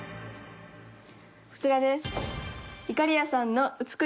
こちらです。